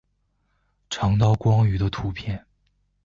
长刀光鱼的图片